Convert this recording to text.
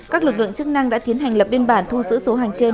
các lực lượng chức năng đã tiến hành lập biên bản thu giữ số hàng trên